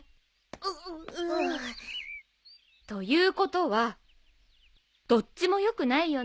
ううっ。ということはどっちもよくないよね。